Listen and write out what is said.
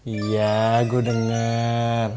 iya gua denger